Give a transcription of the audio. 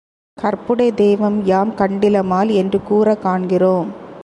கற்புடைத் தெய்வம் யாம் கண்டிலமால் என்று கூறக் காண்கிறோம்.